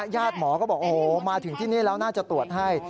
ญาติหมอก็บอกโอ้โหมาถึงที่นี่แล้วน่าจะตรวจให้